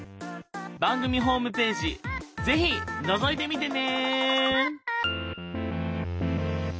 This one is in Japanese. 番組ホームページ是非のぞいてみてね！